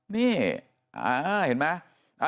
นี่เห็นไหม